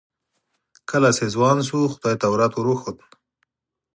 کله چې ځوان شو خدای تورات ور وښود.